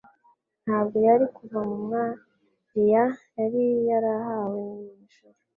ntabwo yari kuva mu mwariya yari yarahawe mu ijuru ;